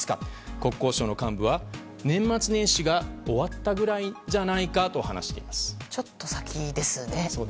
国交省の幹部は、年末年始が終わったくらいじゃないかとちょっと先ですね。